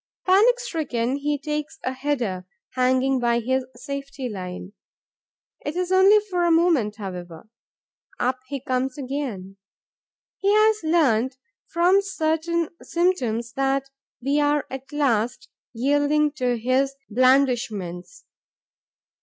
Panic stricken, he takes a header, hanging by his safety line. It is only for a moment, however. Up he comes again. He has learnt, from certain symptoms, that we are at last yielding to his blandishments.